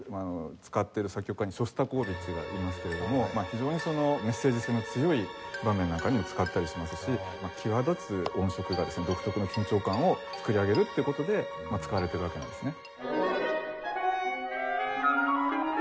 使ってる作曲家にショスタコーヴィチがいますけれども非常にメッセージ性の強い場面なんかにも使ったりしますし際立つ音色がですね独特の緊張感を作り上げるっていう事で使われてるわけなんですね。